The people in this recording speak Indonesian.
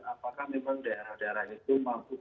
apakah memang daerah daerah itu mampu